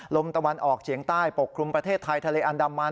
ลมตะวันออกเฉียงใต้ปกคลุมประเทศไทยทะเลอันดามัน